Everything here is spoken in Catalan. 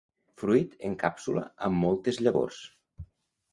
Fruit en càpsula amb moltes llavors.